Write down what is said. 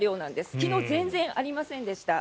昨日、全然ありませんでした。